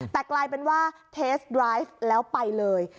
แต่กลายเป็นว่าเทสไรฟแล้วไปเลย